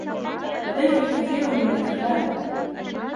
لديها الكثير من الكلاب.